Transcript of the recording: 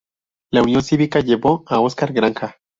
La Unión Cívica llevó a Óscar Granja.